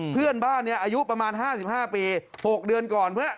เพื่อนบ้านเนี่ยอายุประมาณ๕๕ปี๖เดือนก่อน